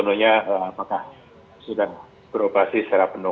tapi saya masih sepenuhnya apakah sudah beroperasi secara penuh